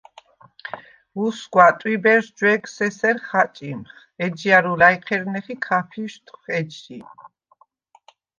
უსგვა, ტვიბერს ჯვეგს ესერ ხაჭიმხ, ეჯჲა̈რუ ლა̈ჲჴერნეხ ი ქაფიშთვხ ეჯჟი.